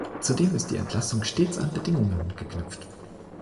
Zudem ist die Entlassung stets an Bedingungen geknüpft.